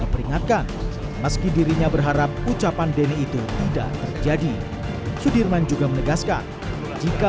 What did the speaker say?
peringatkan meski dirinya berharap ucapan deni itu tidak terjadi sudirman juga menegaskan jika